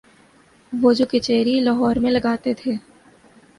وہ جو کچہری لاہور میں لگاتے تھے۔